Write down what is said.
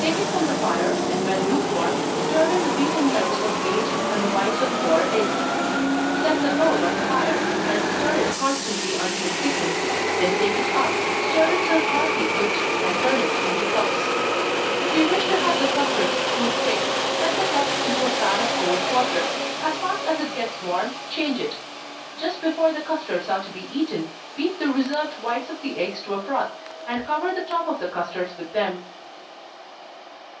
Take it from the fire, and when lukewarm, stir in the beaten yelks of eight, and the whites of four eggs. Set the whole on the fire, and stir it constantly until it thickens then take it up, stir it till partly cooled, and turn it into cups. If you wish to have the custards cool quick, set the cups into a pan of cold water as fast as it gets warm, change it. Just before the custards are to be eaten, beat the reserved whites of the eggs to a froth, and cover the top of the custards with them.